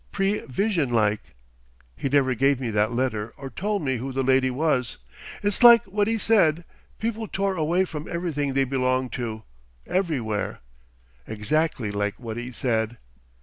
Prevision like. 'E never gave me that letter or tole me who the lady was. It's like what 'e said people tore away from everything they belonged to everywhere. Exactly like what 'e said....